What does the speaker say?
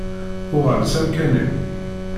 Uɣal s amkan-im.